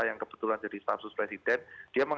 yang kebetulan jadi staff khusus presiden